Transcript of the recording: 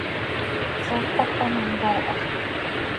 ¿Zó tpacta ma ntooha?